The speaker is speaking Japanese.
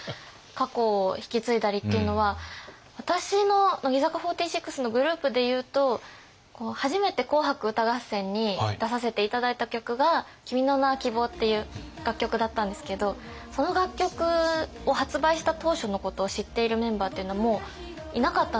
過去を引き継いだりっていうのは私の乃木坂４６のグループでいうと初めて「紅白歌合戦」に出させて頂いた曲が「君の名は希望」っていう楽曲だったんですけどその楽曲を発売した当初のことを知っているメンバーっていうのはもういなかったんですよ。